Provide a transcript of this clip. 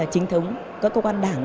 chính thống các cơ quan đảng